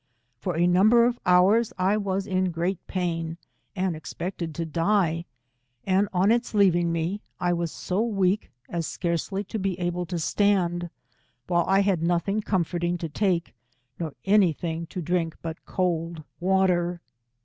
For a number of 167 hours I was in great pain, and expected to die, and on its leaving me, I was so weak as scarcely to be able to stand, while I had nothing comforting to take, nor any thing to drink but cold water.